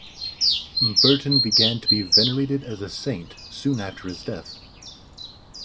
Bertin began to be venerated as a saint soon after his death.